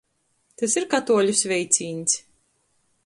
Tys ir katuoļu sveicīņs.